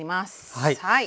はい。